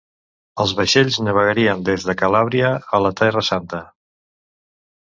Els vaixells navegarien des de Calàbria a la Terra santa.